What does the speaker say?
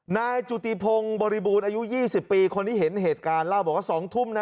นายจุติพงศ์บริบูรณ์อายุ๒๐ปีคนที่เห็นเหตุการณ์เล่าบอกว่า๒ทุ่มนะ